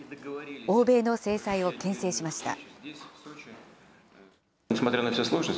欧米の制裁をけん制しました。